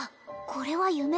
これは夢？